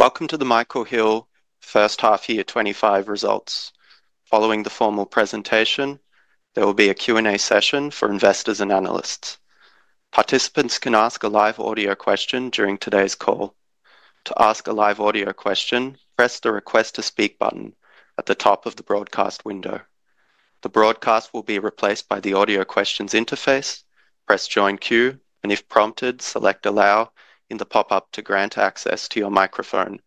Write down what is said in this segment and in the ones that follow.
Welcome to the Michael Hill First Half Year 2025 results. Following the formal presentation, there will be a Q&A session for investors and analysts. Participants can ask a live audio question during today's call. To ask a live audio question, press the Request to Speak button at the top of the broadcast window. The broadcast will be replaced by the audio questions interface. Press Join Queue, and if prompted, select Allow in the pop-up to grant access to your microphone.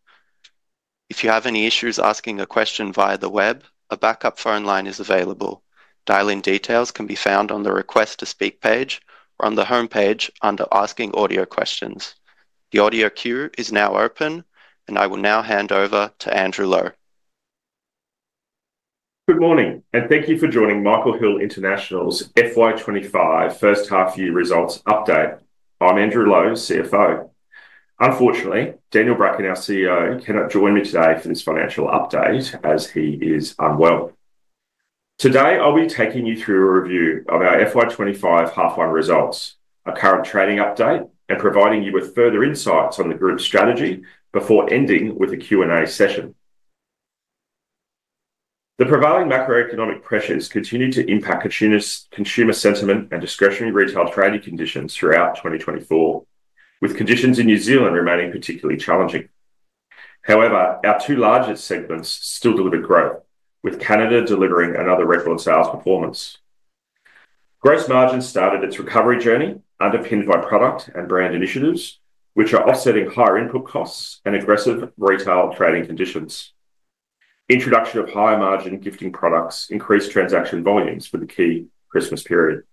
If you have any issues asking a question via the web, a backup phone line is available. Dial-in details can be found on the Request to Speak page or on the homepage under Asking Audio Questions. The audio queue is now open, and I will now hand over to Andrew Lowe. Good morning, and thank you for joining Michael Hill International's FY2025 First Half Year Results Update. I'm Andrew Lowe, CFO. Unfortunately, Daniel Bracken, our CEO, cannot join me today for this financial update as he is unwell. Today, I'll be taking you through a review of our FY2025 Half-One Results, a current trading update, and providing you with further insights on the group's strategy before ending with a Q&A session. The prevailing macroeconomic pressures continue to impact consumer sentiment and discretionary retail trading conditions throughout 2024, with conditions in New Zealand remaining particularly challenging. However, our two largest segments still delivered growth, with Canada delivering another record-sized performance. Gross margins started its recovery journey underpinned by product and brand initiatives, which are offsetting higher input costs and aggressive retail trading conditions. Introduction of higher margin gifting products increased transaction volumes for the key Christmas period.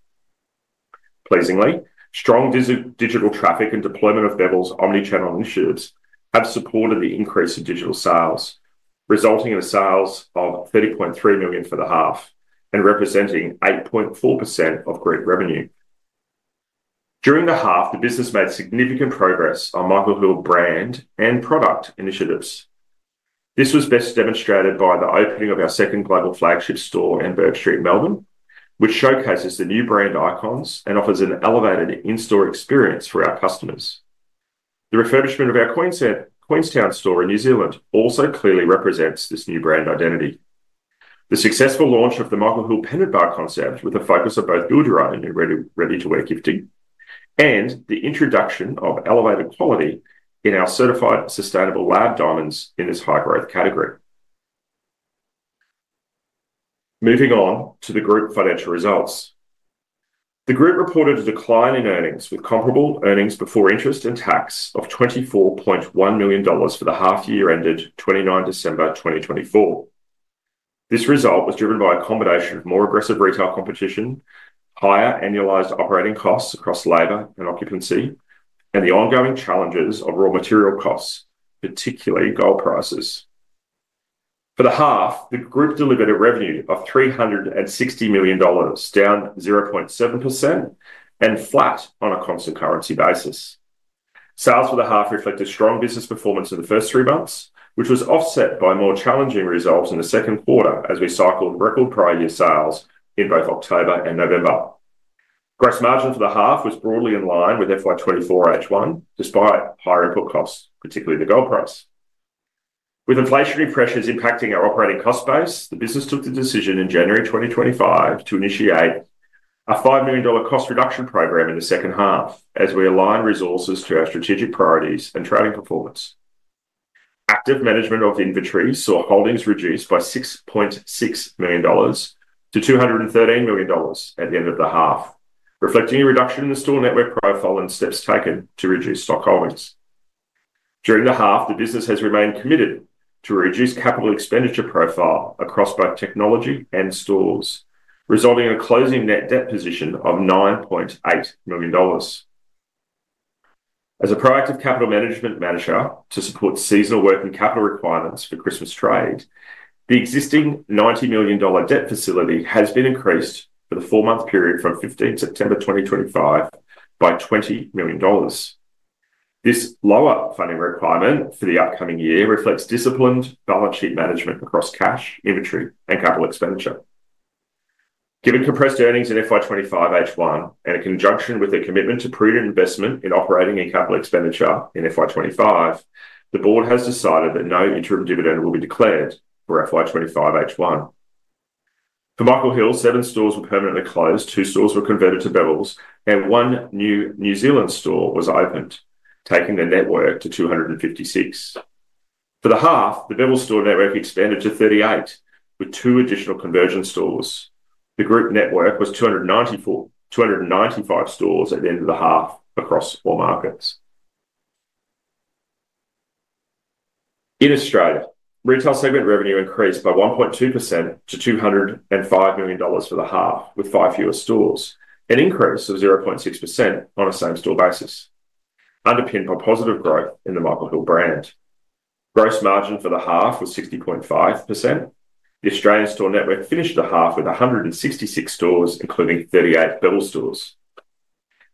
Pleasingly, strong digital traffic and deployment of Bevilles omnichannel initiatives have supported the increase in digital sales, resulting in sales of 30.3 million for the half and representing 8.4% of group revenue. During the half, the business made significant progress on Michael Hill brand and product initiatives. This was best demonstrated by the opening of our second global flagship store in Bourke Street, Melbourne, which showcases the new brand icons and offers an elevated in-store experience for our customers. The refurbishment of our Queenstown store in New Zealand also clearly represents this new brand identity. The successful launch of the Michael Hill Pendant Bar concept with a focus on both build-your-own and ready-to-wear gifting, and the introduction of elevated quality in our certified sustainable lab diamonds in this high-growth category. Moving on to the group financial results. The group reported a decline in earnings with comparable earnings before interest and tax of 24.1 million dollars for the half-year ended 29 December 2024. This result was driven by a combination of more aggressive retail competition, higher annualized operating costs across labor and occupancy, and the ongoing challenges of raw material costs, particularly gold prices. For the half, the group delivered a revenue of 360 million dollars, down 0.7% and flat on a constant currency basis. Sales for the half reflected strong business performance in the first three months, which was offset by more challenging results in the second quarter as we cycled record prior year sales in both October and November. Gross margin for the half was broadly in line with FY2024 H1 despite higher input costs, particularly the gold price. With inflationary pressures impacting our operating cost base, the business took the decision in January 2025 to initiate an 5 million dollar cost reduction program in the second half as we align resources to our strategic priorities and trading performance. Active management of inventory saw holdings reduced by 6.6 million dollars to 213 million dollars at the end of the half, reflecting a reduction in the store network profile and steps taken to reduce stock holdings. During the half, the business has remained committed to a reduced capital expenditure profile across both technology and stores, resulting in a closing net debt position of 9.8 million dollars. As a proactive capital management measure to support seasonal working capital requirements for Christmas trade, the existing AUD 90 million debt facility has been increased for the four-month period from 15 September 2025 by 20 million dollars. This lower funding requirement for the upcoming year reflects disciplined balance sheet management across cash, inventory, and capital expenditure. Given compressed earnings in FY2025 H1 and in conjunction with a commitment to prudent investment in operating and capital expenditure in FY2025, the board has decided that no interim dividend will be declared for FY2025 H1. For Michael Hill, seven stores were permanently closed, two stores were converted to Bevilles, and one new New Zealand store was opened, taking the network to 256. For the half, the Bevilles store network expanded to 38 with two additional conversion stores. The group network was 295 stores at the end of the half across all markets. In Australia, retail segment revenue increased by 1.2% to 205 million dollars for the half with five fewer stores, an increase of 0.6% on a same-store basis, underpinned by positive growth in the Michael Hill brand. Gross margin for the half was 60.5%. The Australian store network finished the half with 166 stores, including 38 Bevilles stores.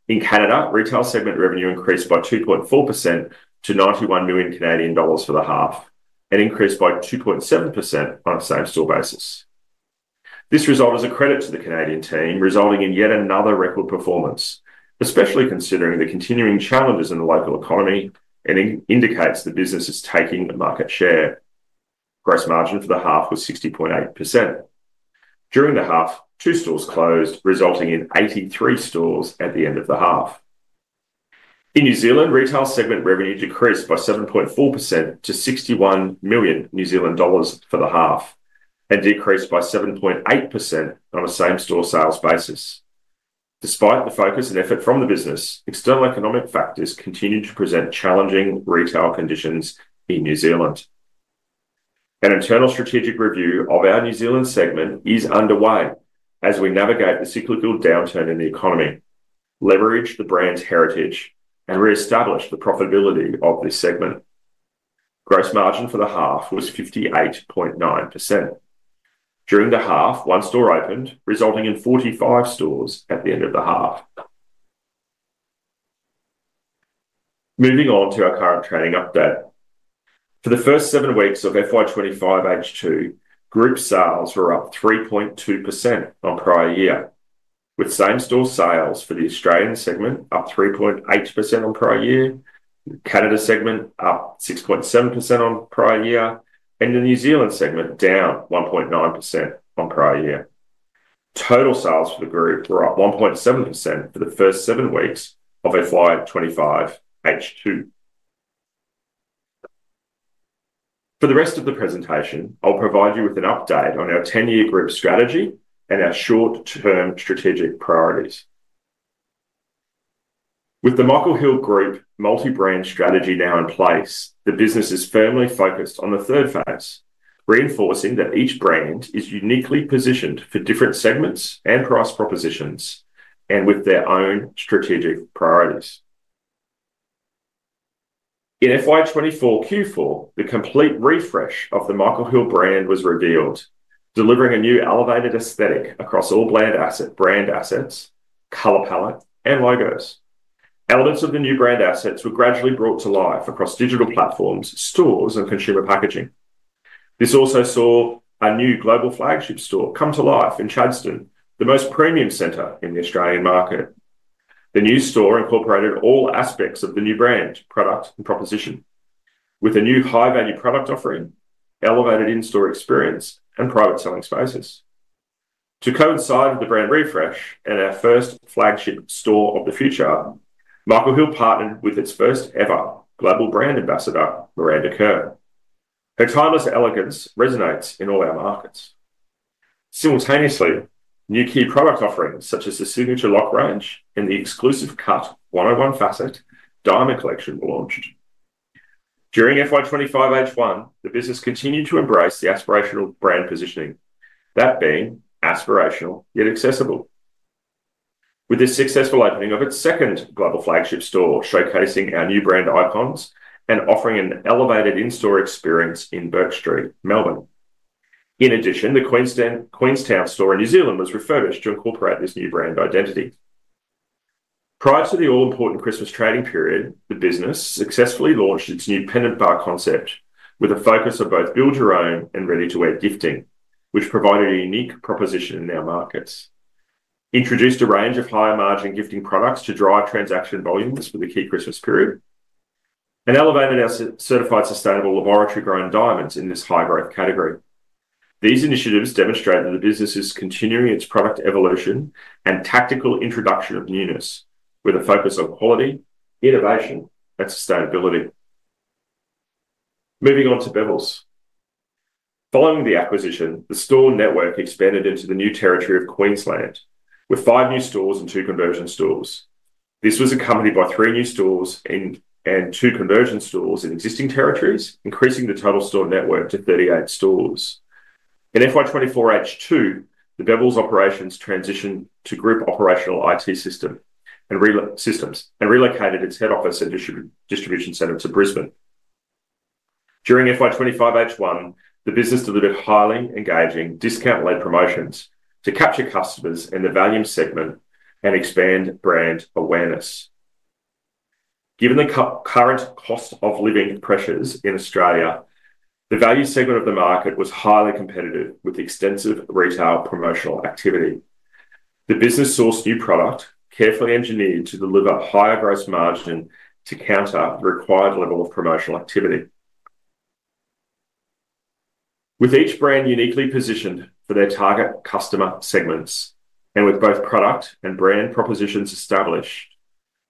In Canada, retail segment revenue increased by 2.4% to 91 million Canadian dollars for the half, an increase by 2.7% on a same-store basis. This result is a credit to the Canadian team, resulting in yet another record performance, especially considering the continuing challenges in the local economy and indicates the business is taking the market share. Gross margin for the half was 60.8%. During the half, two stores closed, resulting in 83 stores at the end of the half. In New Zealand, retail segment revenue decreased by 7.4% to 61 million New Zealand dollars for the half and decreased by 7.8% on a same-store sales basis. Despite the focus and effort from the business, external economic factors continue to present challenging retail conditions in New Zealand. An internal strategic review of our New Zealand segment is underway as we navigate the cyclical downturn in the economy, leverage the brand's heritage, and reestablish the profitability of this segment. Gross margin for the half was 58.9%. During the half, one store opened, resulting in 45 stores at the end of the half. Moving on to our current trading update. For the first seven weeks of FY2025 H2, group sales were up 3.2% on prior year, with same-store sales for the Australian segment up 3.8% on prior year, Canada segment up 6.7% on prior year, and the New Zealand segment down 1.9% on prior year. Total sales for the group were up 1.7% for the first seven weeks of FY2025 H2. For the rest of the presentation, I'll provide you with an update on our 10-year group strategy and our short-term strategic priorities. With the Michael Hill Group multi-brand strategy now in place, the business is firmly focused on the third phase, reinforcing that each brand is uniquely positioned for different segments and price propositions and with their own strategic priorities. In FY2024 Q4, the complete refresh of the Michael Hill brand was revealed, delivering a new elevated aesthetic across all brand assets, color palette, and logos. Elements of the new brand assets were gradually brought to life across digital platforms, stores, and consumer packaging. This also saw a new global flagship store come to life in Chadstone, the most premium center in the Australian market. The new store incorporated all aspects of the new brand, product, and proposition, with a new high-value product offering, elevated in-store experience, and private selling spaces. To coincide with the brand refresh and our first flagship store of the future, Michael Hill partnered with its first-ever global brand ambassador, Miranda Kerr. Her timeless elegance resonates in all our markets. Simultaneously, new key product offerings such as the Signature Lock range and the exclusive cut 101 Facet diamond collection were launched. During FY2025 H1, the business continued to embrace the aspirational brand positioning, that being aspirational yet accessible. With this successful opening of its second global flagship store, showcasing our new brand icons and offering an elevated in-store experience in Bourke Street, Melbourne. In addition, the Queenstown store in New Zealand was refurbished to incorporate this new brand identity. Prior to the all-important Christmas trading period, the business successfully launched its new Pendant Bar concept with a focus on both build-your-own and ready-to-wear gifting, which provided a unique proposition in our markets. Introduced a range of higher-margin gifting products to drive transaction volumes for the key Christmas period and elevated our certified sustainable lab diamonds in this high-growth category. These initiatives demonstrate that the business is continuing its product evolution and tactical introduction of newness with a focus on quality, innovation, and sustainability. Moving on to Bevilles. Following the acquisition, the store network expanded into the new territory of Queensland with five new stores and two conversion stores. This was accompanied by three new stores and two conversion stores in existing territories, increasing the total store network to 38 stores. In FY2024 H2, the Bevilles operations transitioned to Group Operational IT Systems and relocated its head office and distribution center to Brisbane. During FY2025 H1, the business delivered highly engaging discount-led promotions to capture customers in the value segment and expand brand awareness. Given the current cost of living pressures in Australia, the value segment of the market was highly competitive with extensive retail promotional activity. The business sourced new product carefully engineered to deliver higher gross margin to counter the required level of promotional activity. With each brand uniquely positioned for their target customer segments and with both product and brand propositions established,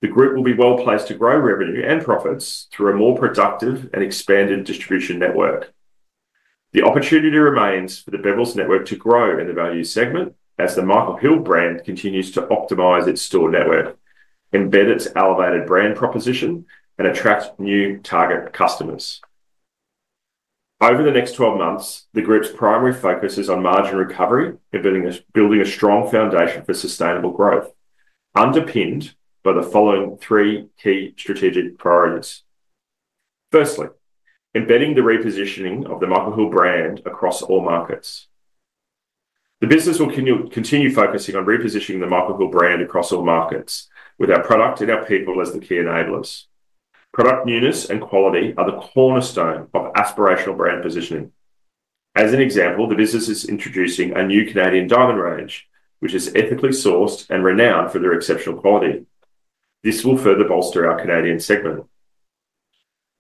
the group will be well placed to grow revenue and profits through a more productive and expanded distribution network. The opportunity remains for the Bevilles network to grow in the value segment as the Michael Hill brand continues to optimize its store network, embed its elevated brand proposition, and attract new target customers. Over the next 12 months, the group's primary focus is on margin recovery and building a strong foundation for sustainable growth, underpinned by the following three key strategic priorities. Firstly, embedding the repositioning of the Michael Hill brand across all markets. The business will continue focusing on repositioning the Michael Hill brand across all markets with our product and our people as the key enablers. Product newness and quality are the cornerstone of aspirational brand positioning. As an example, the business is introducing a new Canadian diamond range, which is ethically sourced and renowned for their exceptional quality. This will further bolster our Canadian segment.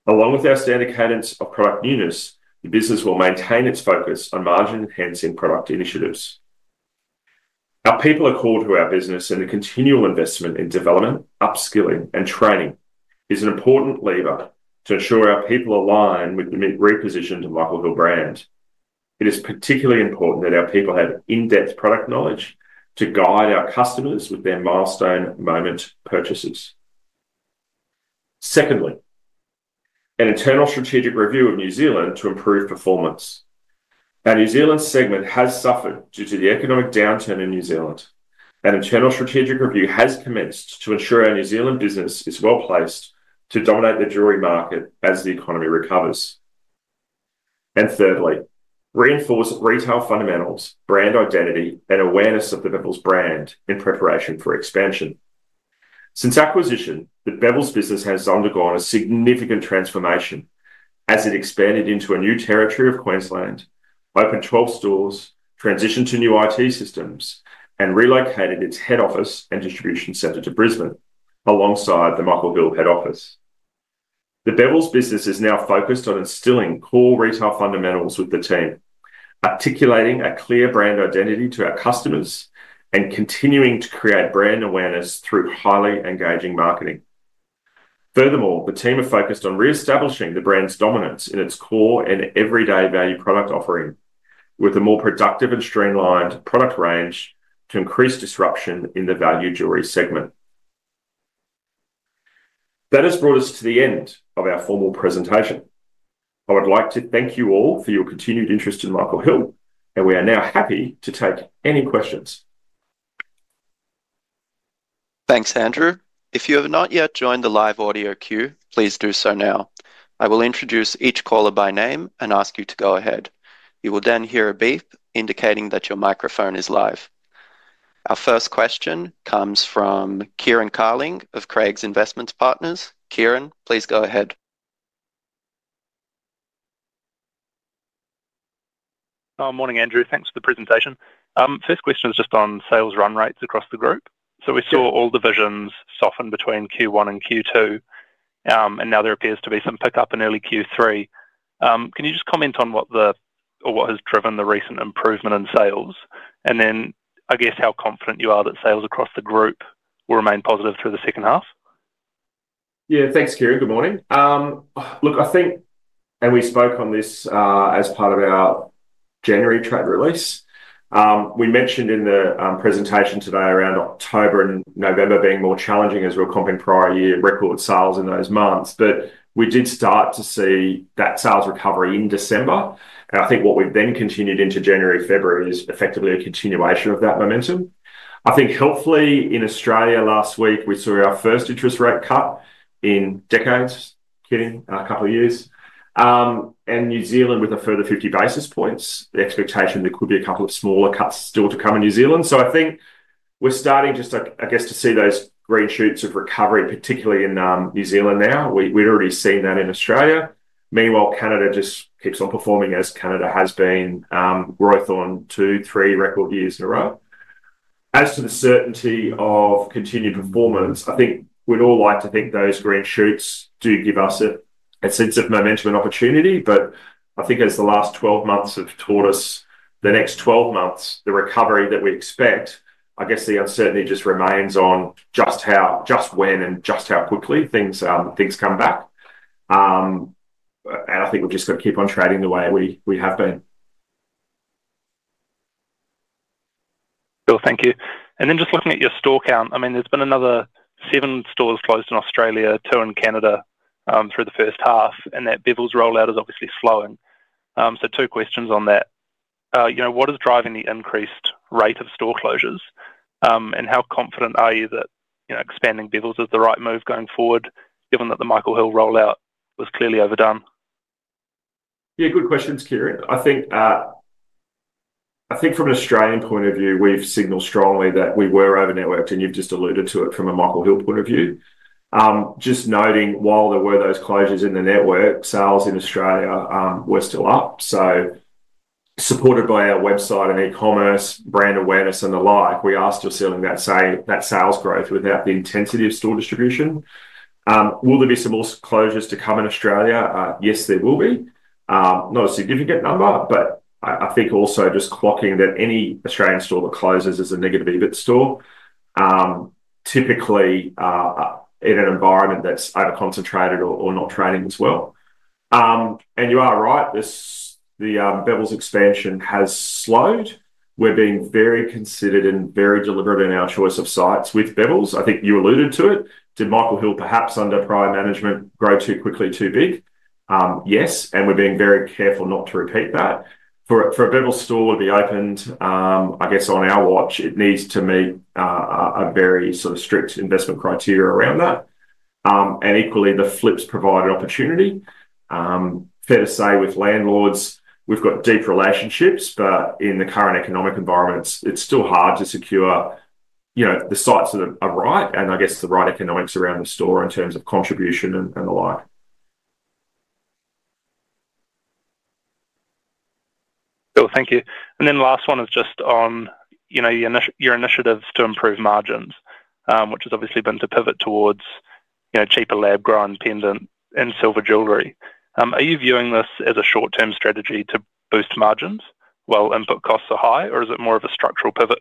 Along with our standard cadence of product newness, the business will maintain its focus on margin-enhancing product initiatives. Our people are called to our business, and the continual investment in development, upskilling, and training is an important lever to ensure our people align with the repositioned Michael Hill brand. It is particularly important that our people have in-depth product knowledge to guide our customers with their milestone moment purchases. Secondly, an internal strategic review of New Zealand to improve performance. Our New Zealand segment has suffered due to the economic downturn in New Zealand. An internal strategic review has commenced to ensure our New Zealand business is well placed to dominate the jewelry market as the economy recovers. Thirdly, reinforce retail fundamentals, brand identity, and awareness of the Bevilles brand in preparation for expansion. Since acquisition, the Bevilles business has undergone a significant transformation as it expanded into a new territory of Queensland, opened 12 stores, transitioned to new IT systems, and relocated its head office and distribution center to Brisbane alongside the Michael Hill head office. The Bevilles business is now focused on instilling core retail fundamentals with the team, articulating a clear brand identity to our customers, and continuing to create brand awareness through highly engaging marketing. Furthermore, the team have focused on reestablishing the brand's dominance in its core and everyday value product offering, with a more productive and streamlined product range to increase disruption in the value jewelry segment. That has brought us to the end of our formal presentation. I would like to thank you all for your continued interest in Michael Hill, and we are now happy to take any questions. Thanks, Andrew. If you have not yet joined the live audio queue, please do so now. I will introduce each caller by name and ask you to go ahead. You will then hear a beep indicating that your microphone is live. Our first question comes from Kieran Carling of Craigs Investment Partners. Kieran, please go ahead. Morning, Andrew. Thanks for the presentation. First question is just on sales run rates across the group. We saw all divisions soften between Q1 and Q2, and now there appears to be some pickup in early Q3. Can you just comment on what has driven the recent improvement in sales and then I guess how confident you are that sales across the group will remain positive through the second half? Yeah, thanks, Kieran. Good morning. Look, I think, and we spoke on this as part of our January trade release. We mentioned in the presentation today around October and November being more challenging as we're comping prior year record sales in those months, but we did start to see that sales recovery in December. I think what we've then continued into January, February is effectively a continuation of that momentum. I think hopefully in Australia last week, we saw our first interest rate cut in decades, Kieran, in a couple of years. New Zealand with a further 50 basis points, the expectation there could be a couple of smaller cuts still to come in New Zealand. I think we're starting just, I guess, to see those green shoots of recovery, particularly in New Zealand now. We've already seen that in Australia. Meanwhile, Canada just keeps on performing as Canada has been, growth on two, three record years in a row. As to the certainty of continued performance, I think we'd all like to think those green shoots do give us a sense of momentum and opportunity, but I think as the last 12 months have taught us the next 12 months, the recovery that we expect, I guess the uncertainty just remains on just how, just when and just how quickly things come back. I think we're just going to keep on trading the way we have been. Cool, thank you. And then just looking at your store count, I mean, there's been another seven stores closed in Australia, two in Canada through the first half, and that Bevilles rollout is obviously slowing. Two questions on that. What is driving the increased rate of store closures, and how confident are you that expanding Bevilles is the right move going forward, given that the Michael Hill rollout was clearly overdone? Yeah, good questions, Kieran. I think from an Australian point of view, we've signaled strongly that we were over-networked, and you've just alluded to it from a Michael Hill point of view. Just noting, while there were those closures in the network, sales in Australia were still up. Supported by our website and e-commerce, brand awareness and the like, we are still seeing that sales growth without the intensity of store distribution. Will there be some more closures to come in Australia? Yes, there will be. Not a significant number, but I think also just clocking that any Australian store that closes is a negative EBIT store, typically in an environment that's either concentrated or not trading as well. You are right, the Bevilles expansion has slowed. We're being very considered and very deliberate in our choice of sites with Bevilles. I think you alluded to it. Did Michael Hill perhaps under prior management grow too quickly, too big? Yes, and we're being very careful not to repeat that. For a Bevilles store to be opened, I guess on our watch, it needs to meet a very sort of strict investment criteria around that. Equally, the flips provide an opportunity. Fair to say with landlords, we've got deep relationships, but in the current economic environments, it's still hard to secure the sites of right and I guess the right economics around the store in terms of contribution and the like. Cool, thank you. The last one is just on your initiatives to improve margins, which has obviously been to pivot towards cheaper lab-grown pendant and silver jewelry. Are you viewing this as a short-term strategy to boost margins while input costs are high, or is it more of a structural pivot?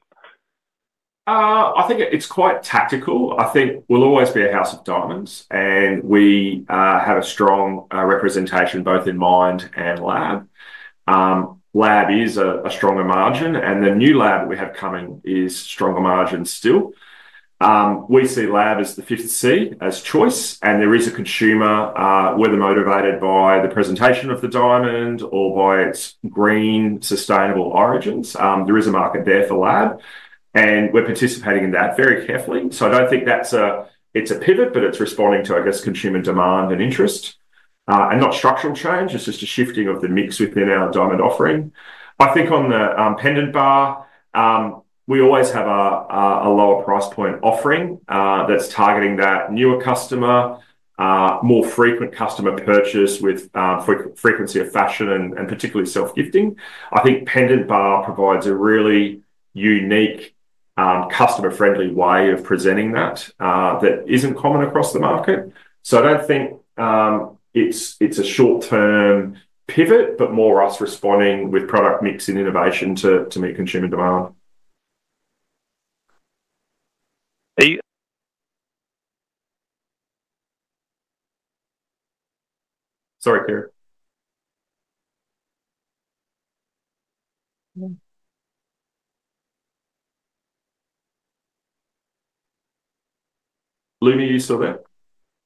I think it's quite tactical. I think we'll always be a house of diamonds, and we have a strong representation both in mined and lab. Lab is a stronger margin, and the new lab that we have coming is stronger margin still. We see lab as the fifth C as choice, and there is a consumer, whether motivated by the presentation of the diamond or by its green sustainable origins, there is a market there for lab, and we're participating in that very carefully. I don't think it's a pivot, but it's responding to, I guess, consumer demand and interest. It is not structural change, it's just a shifting of the mix within our diamond offering. I think on the Pendant Bar, we always have a lower price point offering that's targeting that newer customer, more frequent customer purchase with frequency of fashion and particularly self-gifting. I think Pendant Bar provides a really unique customer-friendly way of presenting that that isn't common across the market. I don't think it's a short-term pivot, but more us responding with product mix and innovation to meet consumer demand. Sorry, Kieran. Lumi, are you still there?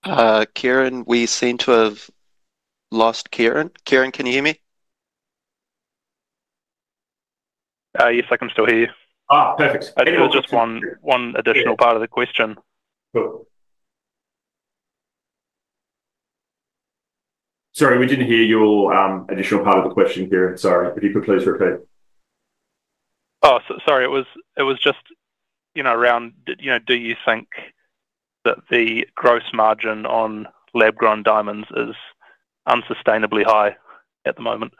Kieran, we seem to have lost Kieran. Kieran, can you hear me? Yes, I can still hear you. Perfect. I think there was just one additional part of the question. Sorry, we did not hear your additional part of the question here. Sorry, if you could please repeat. Oh, sorry. It was just around, do you think that the gross margin on lab-grown diamonds is unsustainably high at the moment?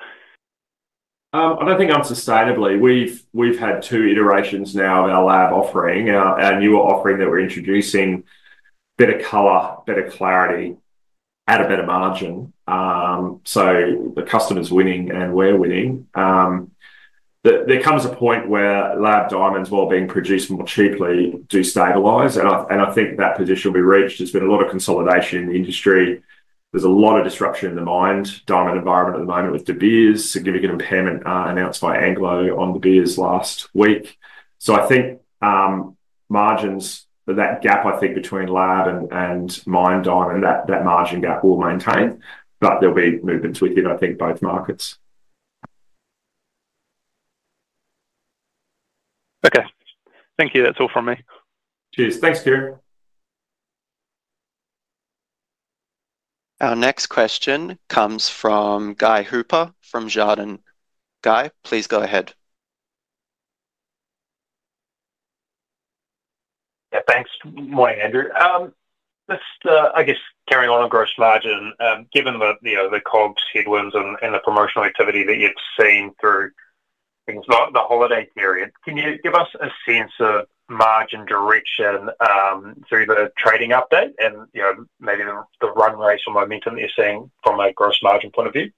I do not think unsustainably. We have had two iterations now of our lab offering, our newer offering that we are introducing, better color, better clarity, at a better margin. The customer is winning and we are winning. There comes a point where lab diamonds, while being produced more cheaply, do stabilize. I think that position will be reached. There has been a lot of consolidation in the industry. There's a lot of disruption in the mined diamond environment at the moment with De Beers, significant impairment announced by Anglo on De Beers last week. I think margins, that gap, I think, between lab and mined diamond, that margin gap will maintain, but there'll be movements within, I think, both markets. Okay. Thank you. That's all from me. Cheers. Thanks, Kieran. Our next question comes from Guy Hooper from Jarden. Guy, please go ahead. Yeah, thanks. Morning, Andrew. Just, I guess, carrying on on gross margin, given the COGS, headwinds, and the promotional activity that you've seen through the holiday period, can you give us a sense of margin direction through the trading update and maybe the run rates or momentum that you're seeing from a gross margin point of view?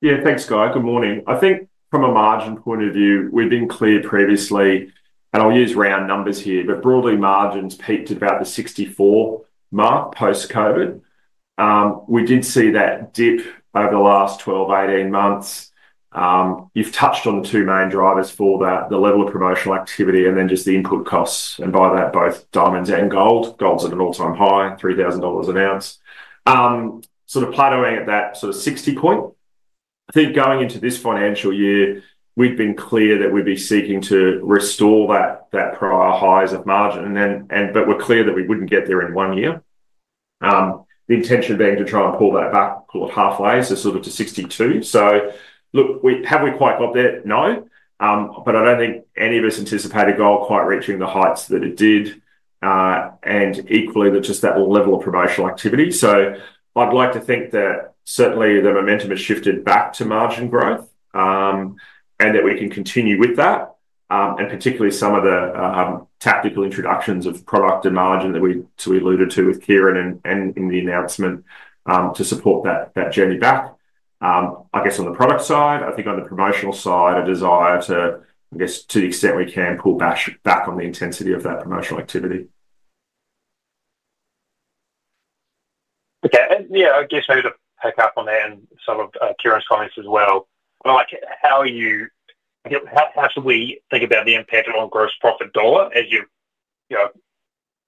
Yeah, thanks, Guy. Good morning. I think from a margin point of view, we've been clear previously, and I'll use round numbers here, but broadly, margins peaked at about the 64 mark post-COVID. We did see that dip over the last 12-18 months. You've touched on the two main drivers for the level of promotional activity and then just the input costs, and by that, both diamonds and gold. Gold's at an all-time high, 3,000 dollars an ounce, sort of plateauing at that sort of 60 point. I think going into this financial year, we've been clear that we'd be seeking to restore that prior highs of margin, but we're clear that we wouldn't get there in one year. The intention being to try and pull that back, pull it halfway, so sort of to 62. Look, have we quite got there? No. I do not think any of us anticipated gold quite reaching the heights that it did, and equally, just that level of promotional activity. I would like to think that certainly the momentum has shifted back to margin growth and that we can continue with that, and particularly some of the tactical introductions of product and margin that we alluded to with Kieran and in the announcement to support that journey back. I guess on the product side, I think on the promotional side, a desire to, I guess, to the extent we can, pull back on the intensity of that promotional activity. Okay. Yeah, I guess maybe to pick up on that and some of Kieran's comments as well. How should we think about the impact on gross profit dollar as you are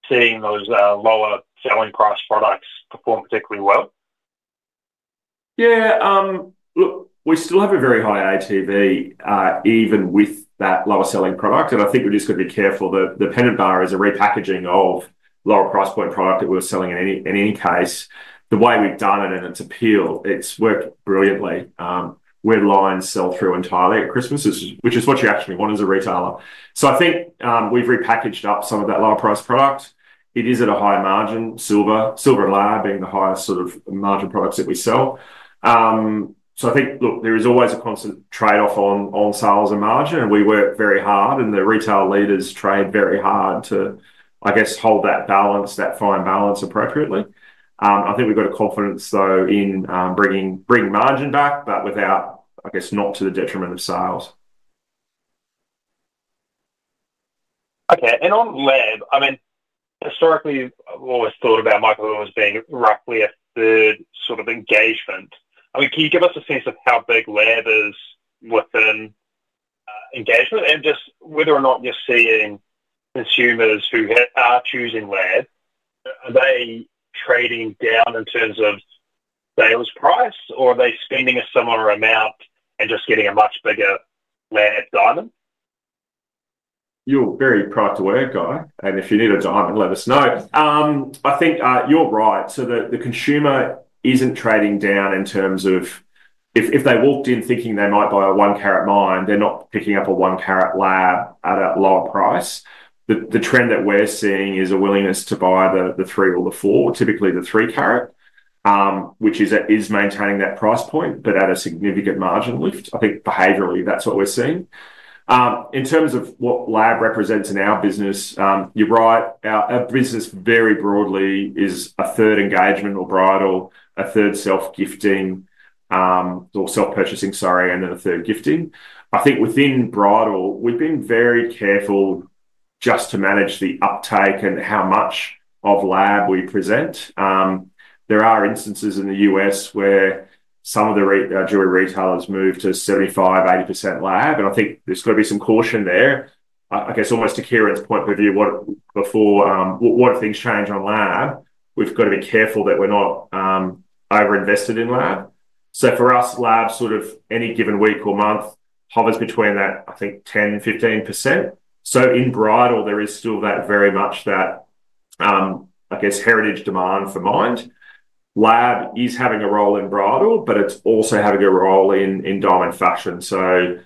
seeing those lower selling price products perform particularly well? Yeah. Look, we still have a very high ATV even with that lower selling product. I think we're just going to be careful. The Pendant Bar is a repackaging of lower price point product that we were selling in any case. The way we've done it and its appeal, it's worked brilliantly. We're lying sell-through entirely at Christmas, which is what you actually want as a retailer. I think we've repackaged up some of that lower price product. It is at a high margin, silver, silver and lab being the highest sort of margin products that we sell. I think, look, there is always a constant trade-off on sales and margin, and we work very hard, and the retail leaders trade very hard to, I guess, hold that balance, that fine balance appropriately. I think we've got a confidence, though, in bringing margin back, but without, I guess, not to the detriment of sales. Okay. And on lab, I mean, historically, we've always thought about Michael Hill as being roughly a third sort of engagement. I mean, can you give us a sense of how big lab is within engagement and just whether or not you're seeing consumers who are choosing lab? Are they trading down in terms of sales price, or are they spending a similar amount and just getting a much bigger lab diamond? You're very proud to wear a guy, and if you need a diamond, let us know. I think you're right. So the consumer isn't trading down in terms of if they walked in thinking they might buy a one-carat mine, they're not picking up a one-carat lab at a lower price. The trend that we're seeing is a willingness to buy the three or the four, typically the three-carat, which is maintaining that price point, but at a significant margin lift. I think behaviourally, that's what we're seeing. In terms of what lab represents in our business, you're right. Our business very broadly is a third engagement or bridal, a third self-gifting or self-purchasing, sorry, and then a third gifting. I think within bridal, we've been very careful just to manage the uptake and how much of lab we present. There are instances in the U.S. where some of the jewelry retailers move to 75-80% lab, and I think there's got to be some caution there. I guess almost to Kieran's point of view, before things change on lab, we've got to be careful that we're not over-invested in lab. For us, lab sort of any given week or month hovers between that, I think, 10-15%. In bridal, there is still that very much that, I guess, heritage demand for mined. Lab is having a role in bridal, but it's also having a role in diamond fashion. So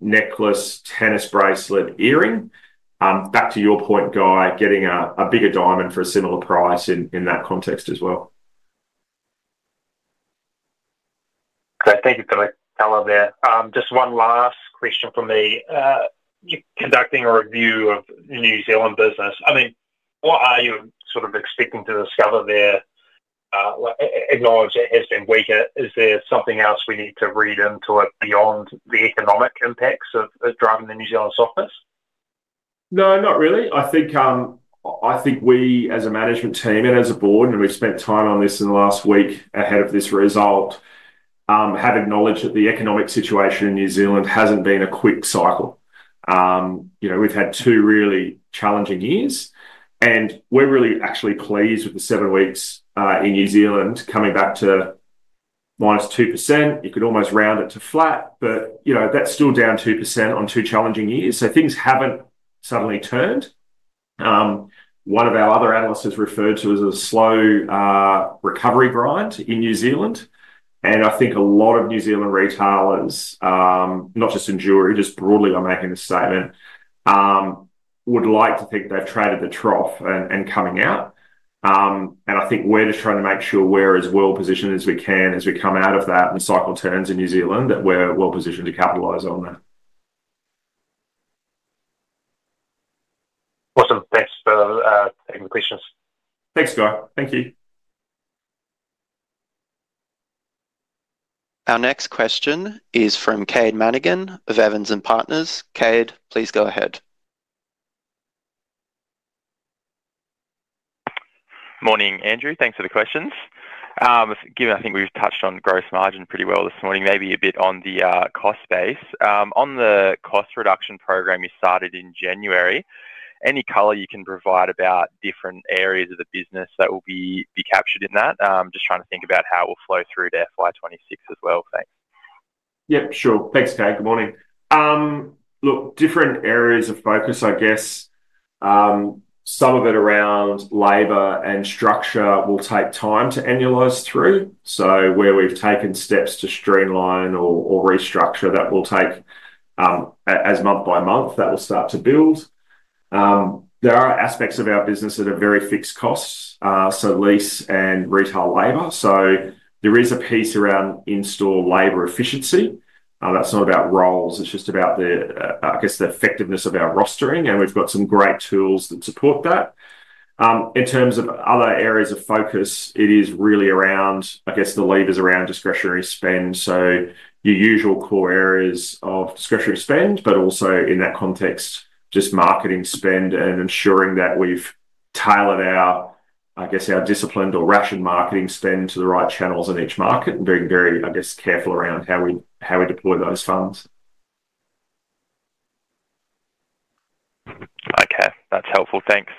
necklace, tennis bracelet, earring. Back to your point, Guy, getting a bigger diamond for a similar price in that context as well. Okay. Thank you for the color there. Just one last question for me. Conducting a review of New Zealand business, I mean, what are you sort of expecting to discover there? I acknowledge it has been weaker. Is there something else we need to read into it beyond the economic impacts of driving the New Zealand softness? No, not really. I think we, as a management team and as a board, and we've spent time on this in the last week ahead of this result, have acknowledged that the economic situation in New Zealand hasn't been a quick cycle. We've had two really challenging years, and we're really actually pleased with the seven weeks in New Zealand coming back to -2%. You could almost round it to flat, but that's still down 2% on two challenging years. Things haven't suddenly turned. One of our other analysts has referred to it as a slow recovery grind in New Zealand. I think a lot of New Zealand retailers, not just in jewelry, just broadly by making a statement, would like to think they've traded the trough and are coming out. I think we're just trying to make sure we're as well positioned as we can as we come out of that and cycle turns in New Zealand that we're well positioned to capitalise on that. Awesome. Thanks for taking the questions. Thanks, Guy. Thank you. Our next question is from Cade Mannigan of Evans and Partners. Cade, please go ahead. Morning, Andrew. Thanks for the questions. Given, I think we've touched on gross margin pretty well this morning, maybe a bit on the cost space. On the cost reduction program you started in January, any color you can provide about different areas of the business that will be captured in that? Just trying to think about how it will flow through to FY2026 as well. Thanks. Yep. Sure. Thanks, Cade. Good morning. Look, different areas of focus, I guess. Some of it around labor and structure will take time to analyze through. Where we've taken steps to streamline or restructure, that will take as month by month, that will start to build. There are aspects of our business that are very fixed costs, so lease and retail labor. There is a piece around in-store labor efficiency. That's not about roles. It's just about, I guess, the effectiveness of our rostering, and we've got some great tools that support that. In terms of other areas of focus, it is really around, I guess, the levers around discretionary spend. Your usual core areas of discretionary spend, but also in that context, just marketing spend and ensuring that we've tailored our, I guess, our disciplined or rationed marketing spend to the right channels in each market and being very, I guess, careful around how we deploy those funds. Okay. That's helpful. Thanks.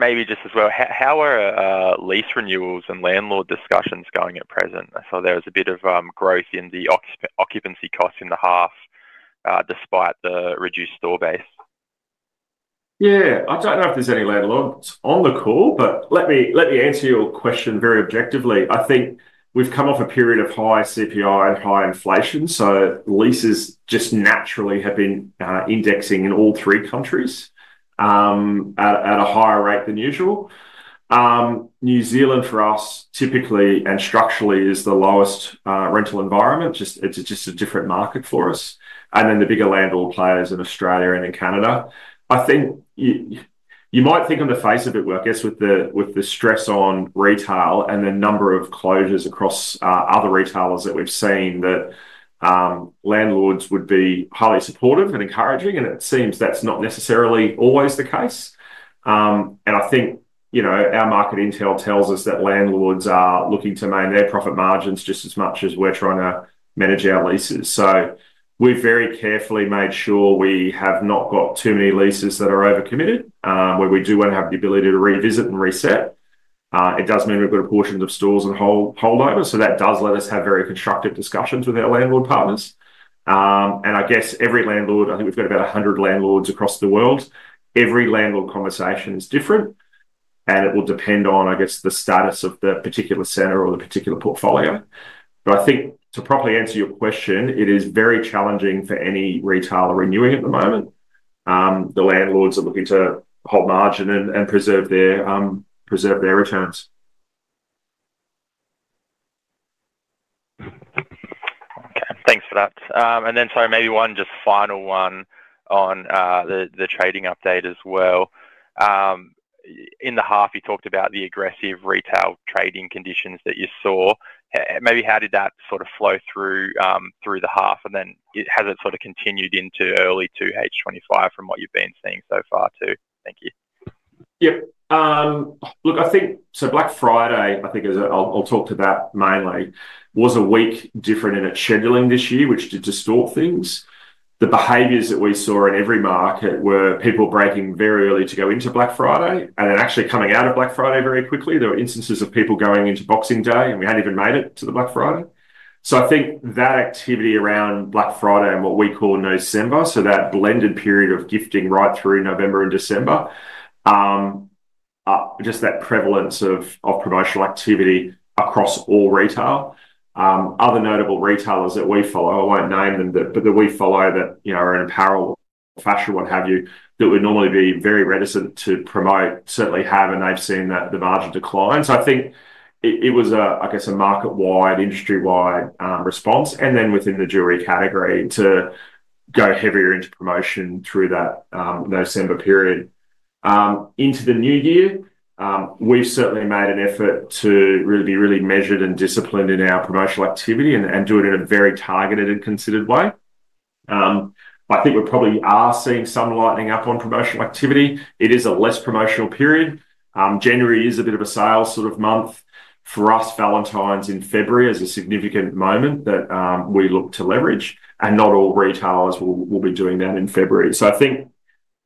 Maybe just as well, how are lease renewals and landlord discussions going at present? I saw there was a bit of growth in the occupancy cost in the half despite the reduced store base. Yeah. I don't know if there's any landlords on the call, but let me answer your question very objectively. I think we've come off a period of high CPI and high inflation, so leases just naturally have been indexing in all three countries at a higher rate than usual. New Zealand for us, typically and structurally, is the lowest rental environment. It's just a different market for us. The bigger landlord players in Australia and in Canada. I think you might think on the face of it, I guess, with the stress on retail and the number of closures across other retailers that we've seen, that landlords would be highly supportive and encouraging. It seems that's not necessarily always the case. I think our market intel tells us that landlords are looking to maintain their profit margins just as much as we're trying to manage our leases. We've very carefully made sure we have not got too many leases that are overcommitted where we do want to have the ability to revisit and reset. It does mean we've got a portion of stores and holdover, so that does let us have very constructive discussions with our landlord partners. I guess every landlord, I think we've got about 100 landlords across the world. Every landlord conversation is different, and it will depend on, I guess, the status of the particular centre or the particular portfolio. I think to properly answer your question, it is very challenging for any retailer renewing at the moment. The landlords are looking to hold margin and preserve their returns. Okay. Thanks for that. Sorry, maybe one just final one on the trading update as well. In the half, you talked about the aggressive retail trading conditions that you saw. Maybe how did that sort of flow through the half, and then has it sort of continued into early 2H25 from what you've been seeing so far too? Thank you. Yep. Look, I think so Black Friday, I think I'll talk to that mainly, was a week different in its scheduling this year, which did distort things. The behaviors that we saw in every market were people breaking very early to go into Black Friday and then actually coming out of Black Friday very quickly. There were instances of people going into Boxing Day, and we had not even made it to the Black Friday. I think that activity around Black Friday and what we call November, so that blended period of gifting right through November and December, just that prevalence of promotional activity across all retail. Other notable retailers that we follow, I will not name them, but that we follow that are in a parallel fashion, what have you, that would normally be very reticent to promote, certainly have, and they have seen the margin decline. I think it was, I guess, a market-wide, industry-wide response, and then within the jewelry category to go heavier into promotion through that November period. Into the new year, we've certainly made an effort to be really measured and disciplined in our promotional activity and do it in a very targeted and considered way. I think we probably are seeing some lightening up on promotional activity. It is a less promotional period. January is a bit of a sales sort of month. For us, Valentine's in February is a significant moment that we look to leverage, and not all retailers will be doing that in February. I think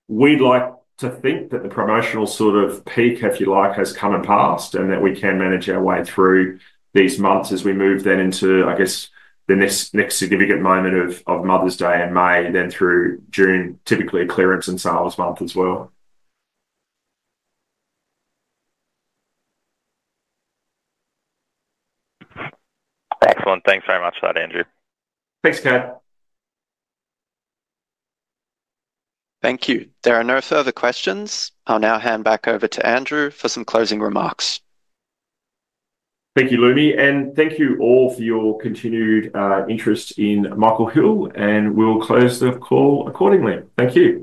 we'd like to think that the promotional sort of peak, if you like, has come and passed and that we can manage our way through these months as we move then into, I guess, the next significant moment of Mother's Day in May, then through June, typically clearance and sales month as well. Excellent. Thanks very much for that, Andrew. Thanks, Cade. Thank you. There are no further questions. I'll now hand back over to Andrew for some closing remarks. Thank you, Lumi, and thank you all for your continued interest in Michael Hill, and we'll close the call accordingly. Thank you.